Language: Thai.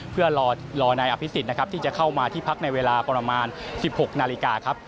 เพื่อรอนายอภิษฎนะครับที่จะเข้ามาที่พักในเวลาประมาณ๑๖นาฬิกาครับ